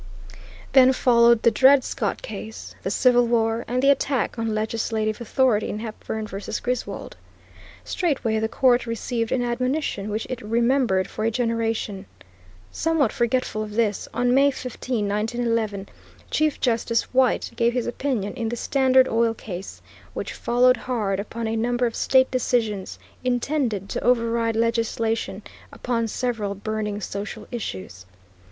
Then followed the Dred Scott Case, the Civil War, and the attack on legislative authority in Hepburn v. Griswold. Straightway the Court received an admonition which it remembered for a generation. Somewhat forgetful of this, on May 15, 1911, Chief Justice White gave his opinion in the Standard Oil Case, which followed hard upon a number of state decisions intended to override legislation upon several burning social issues.